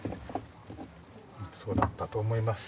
そうだったと思います。